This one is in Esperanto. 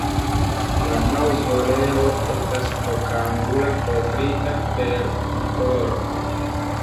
La maŭzoleo estas okangula kovrita per kupolo.